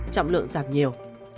trọng lượng giảm nhiều